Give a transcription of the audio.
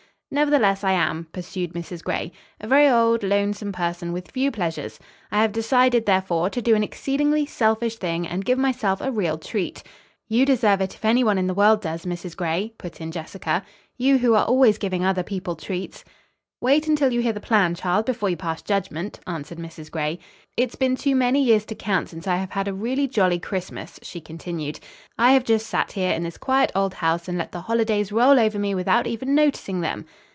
"Nevertheless I am," pursued Mrs. Gray. "A very old, lonesome person with few pleasures. I have decided, therefore, to do an exceedingly selfish thing, and give myself a real treat." "You deserve it if anyone in the world does, Mrs. Gray," put in Jessica. "You who are always giving other people treats." "Wait until you hear the plan, child, before you pass judgment," answered Mrs. Gray. "It's been too many years to count since I have had a really, jolly Christmas," she continued. "I have just sat here in this quiet old house, and let the holidays roll over me without even noticing them."